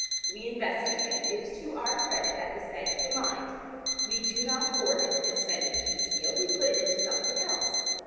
We invest it again. It is to our credit, at this bank of the mind. We do not hoard it, and spend it piecemeal. We put it into something else.